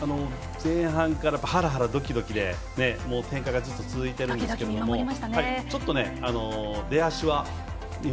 前半からハラハラドキドキで展開が続いてるんですけどちょっと、出足は日本